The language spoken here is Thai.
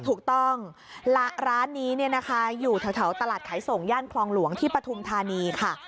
ถูกต้องร้านนี้อยู่เท่าตลาดขายส่งย่านคลองหลวงที่ปทุงธานีค่ะ